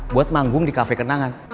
buat manggung di kafe kenangan